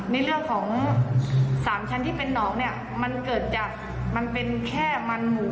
ในเรื่องของสามชั้นที่เป็นหนองเนี่ยมันเกิดจากมันเป็นแค่มันหมู